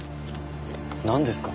なんですか？